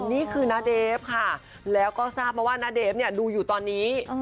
นี่คือณเดฟค่ะแล้วก็ทราบมาว่าณเดฟเนี่ยดูอยู่ตอนนี้